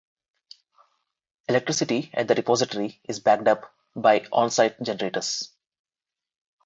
Electricity at the repository is backed up by on-site generators.